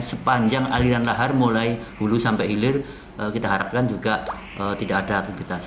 sepanjang aliran lahar mulai hulu sampai hilir kita harapkan juga tidak ada aktivitas